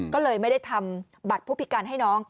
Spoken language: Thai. ก็เลยไม่ได้ทำบัตรผู้พิการให้น้อง